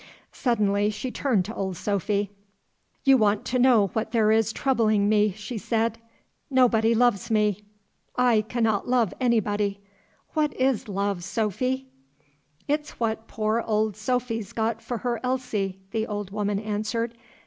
Suddenly she turned to Old Sophy. "You want to know what there is troubling me;" she said. "Nobody loves me. I cannot love anybody. What is love, Sophy?" "It's what poor Ol' Sophy's got for her Elsie," the old woman answered.